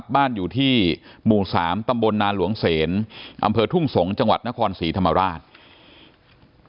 บ้านอยู่ที่หมู่๓ตำบลนาหลวงเสนอำเภอทุ่งสงศ์จังหวัดนครศรีธรรมราช